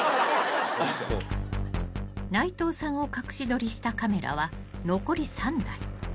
［内藤さんを隠し撮りしたカメラは残り３台］